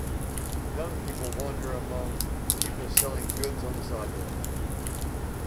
Young people wander among people selling goods on the sidewalk.